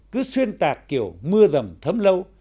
cứ xuyên tạc kiểu mưa rầm thấm lâu